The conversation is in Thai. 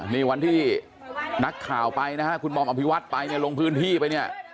นี่วันที่นักข่าวไปนะครับคุณหมออภิวัฒน์ไปลงพื้นที่ไป